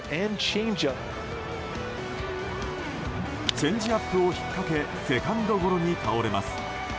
チェンジアップを引っ掛けセカンドゴロに倒れます。